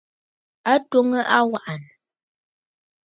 A twoŋǝ aŋwà'ànǝ̀.